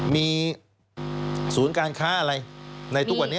มีศูนย์การค้าอะไรในทุกวันนี้